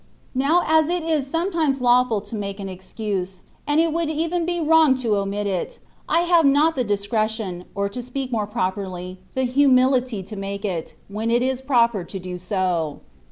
Now as it is sometimes lawful to make an excuse, and it would even be wrong to omit it, I have not the discretion, or to speak more properly — the humility to make it, when it is proper to do so.